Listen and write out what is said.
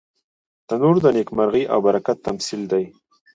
تنور د نیکمرغۍ او برکت تمثیل دی